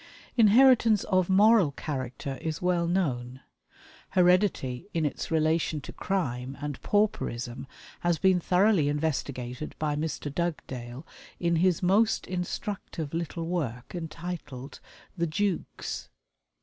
"Inheritance of moral character is well known. Heredity, in its relation to crime and pauperism, has been thoroughly investigated by Mr. Dugdale in his most instructive little work entitled "The Jukes."